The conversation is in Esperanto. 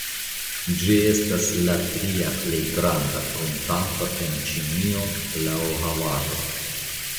Ĝi estas la tria plej granda pruntanto el Ĉinio laŭ havaĵo.